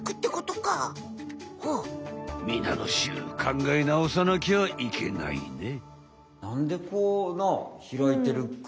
みなのしゅうかんがえなおさなきゃいけないね。